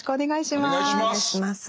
お願いします。